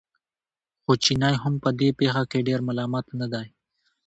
خو چینی هم په دې پېښه کې ډېر ملامت نه دی.